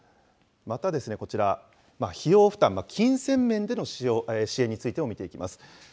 またこちら、費用負担、金銭面での支援についても見ていきます。